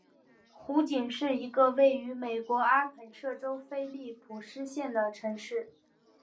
湖景是一个位于美国阿肯色州菲利普斯县的城市。